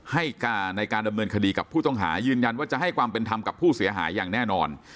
ให้การในการดำเนินคดีกับผู้ต้องหายืนยันว่าจะให้ความเป็นธรรมกับผู้เสียหายอย่างแน่นอน